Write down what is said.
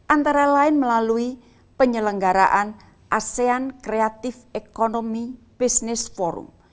antara lain melalui penyelenggaraan asean creative economy business forum